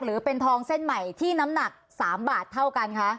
หรือเป็นทองเส้นใหม่ที่น้ำหนัก๓บาทเท่ากันคะ